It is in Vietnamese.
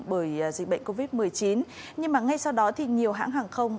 bởi dịch bệnh covid một mươi chín nhưng ngay sau đó nhiều hãng hàng không